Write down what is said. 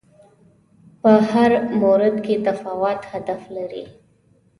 په هر مورد کې متفاوت هدف لري